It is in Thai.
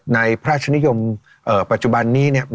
ในพระอาชนิยมปัจจุบันนี้